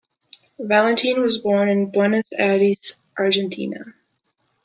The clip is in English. Valentin was born in Buenos Aires, Argentina.